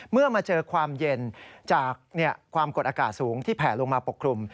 เมื่อมาเจอความเย็นจากความกดอากาศสูงที่แผ่ลงมาปกคลุม